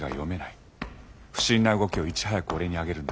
不審な動きをいち早く俺に上げるんだ。